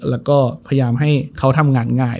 แล้วก็พยายามให้เขาทำงานง่าย